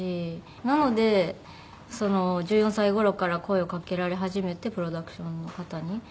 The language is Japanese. なのでその１４歳頃から声を掛けられ始めてプロダクションの方に。